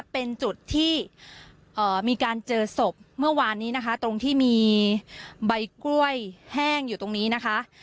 เป็นจุดที่มีการเจอศพเมื่อวานนี้นะคะตรงที่มีใบกล้วยแห้งอยู่ตรงนี้นะคะ